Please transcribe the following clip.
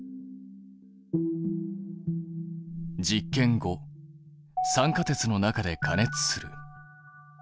実験５酸化鉄の中で加熱する。